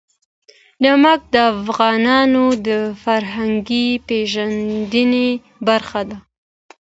نمک د افغانانو د فرهنګي پیژندنې برخه ده.